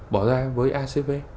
bỏ ra với acv